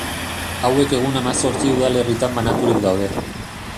Hauek egun hamazortzi udalerritan banaturik daude.